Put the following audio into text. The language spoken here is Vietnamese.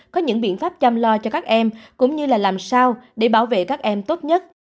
có những biện pháp chăm lo cho các em cũng như là làm sao để bảo vệ các em tốt nhất